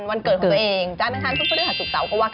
วันเกิดของตัวเองแล็ะด้านทางทุก